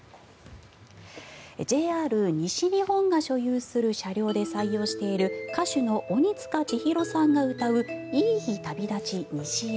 ＪＲ西日本が所有する車両で採用している歌手の鬼束ちひろさんが歌う「いい日旅立ち・西へ」